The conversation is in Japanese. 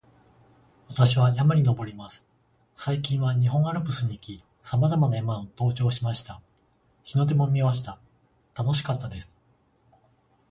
私は山に登ります。最近は日本アルプスに行き、さまざまな山を登頂しました。日の出も見ました。楽しかったです